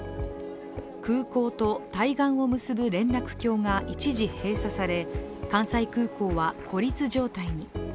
空港と、対岸を結ぶ連絡橋が一時閉鎖され関西空港は孤立状態に。